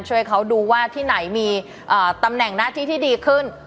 ช่วยเขาดูว่าที่ไหนมีตำแหน่งหน้าที่ที่ดีขึ้น